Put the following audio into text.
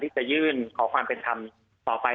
จะยื่นขอความเป็นธรรมต่อไป